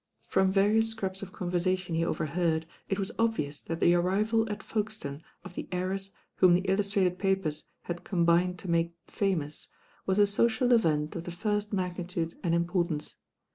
From various scraps of conversation he overheard. It was obvious that the arrival at Folkestone of the heiress whom the illus trated papers had combined to make famous, was a social event of the first magnitude and Importance.